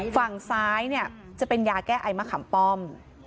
ฝั่งซ้ายเนี่ยจะเป็นยาแก้ไอมะขำป้อม